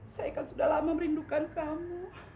saya kan sudah lama merindukan kamu